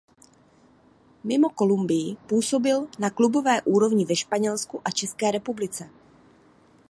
Mimo Kolumbii působil na klubové úrovni ve Španělsku a České republice.